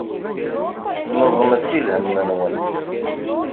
Neẓmet i lhem-nwen.